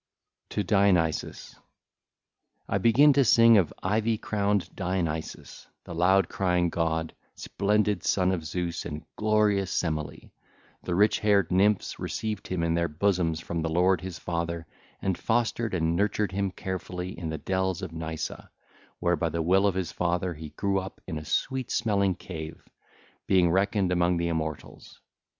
XXVI. TO DIONYSUS (ll. 1 9) I begin to sing of ivy crowned Dionysus, the loud crying god, splendid son of Zeus and glorious Semele. The rich haired Nymphs received him in their bosoms from the lord his father and fostered and nurtured him carefully in the dells of Nysa, where by the will of his father he grew up in a sweet smelling cave, being reckoned among the immortals.